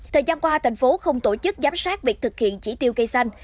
thời gian qua thành phố không tổ chức giám sát việc thực hiện chỉ tiêu cây xanh